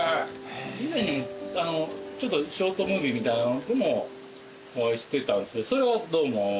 以前にちょっとショートムービーみたいなのでもお会いしてたんですけどそれがどうも初めまして。